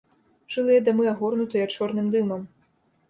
Жылыя дамы агорнутыя чорным дымам.